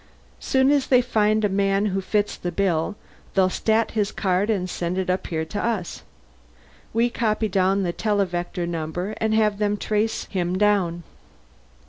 Soon as they find a man who fits the bill, they'll 'stat his card and send it up here to us. We copy down the televector number and have them trace him down."